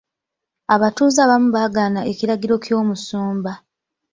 Abatuuze abamu baagaana ekiragiro ky'omusumba.